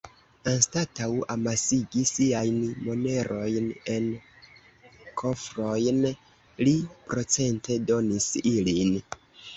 Anstataŭ amasigi siajn monerojn en kofrojn, li procente-donis ilin.